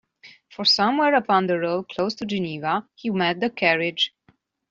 For somewhere upon the road close to Geneva he met the carriage.